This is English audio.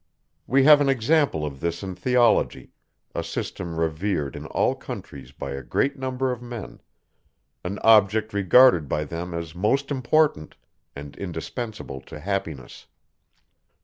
We have an example of this in Theology, a system revered in all countries by a great number of men; an object regarded by them as most important, and indispensable to happiness.